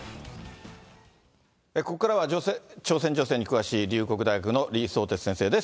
ここからは朝鮮情勢に詳しい龍谷大学の李相哲先生です。